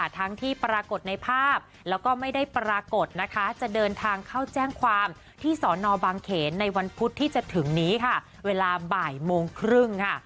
ที่จะถึงนี้ค่ะเวลาบ่ายโมงครึ่งค่ะ